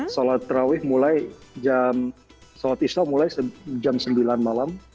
sholat isya mulai jam sembilan malam